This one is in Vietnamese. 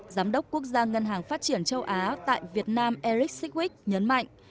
giám đốc quốc gia ngân hàng phát triển châu á tại việt nam eric sickwick nhấn mạnh